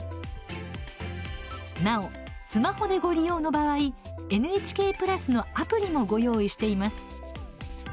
なお、スマホでご利用の場合ＮＨＫプラスのアプリもご用意しています。